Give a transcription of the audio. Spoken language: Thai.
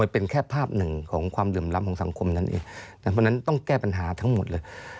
เพราะฉะนั้นต้องแก้ปัญหาทั้งหมดเลย